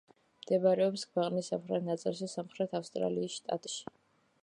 მდებარეობს ქვეყნის სამხრეთ ნაწილში, სამხრეთ ავსტრალიის შტატში.